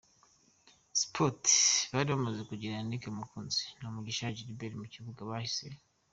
Sports bari bamaze kugira Yannick Mukunzi ya Mugisha Gilbert mu kibuga, bahise